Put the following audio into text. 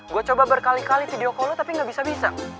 gue coba berkali kali video call tapi gak bisa bisa